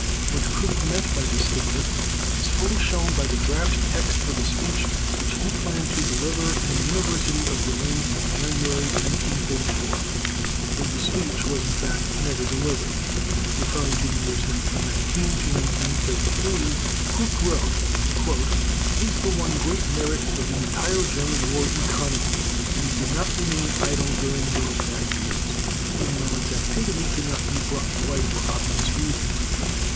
What Krupp meant by this statement is fully shown by the draft text of a speech which he planned to deliver in the University of Berlin in January 1944, though the speech was in fact never delivered. Referring to the years 1919 to 1933, Krupp wrote: "It is the one great merit of the entire German war economy that it did not remain idle during those bad years, even though its activity could not be brought to light, for obvious reasons.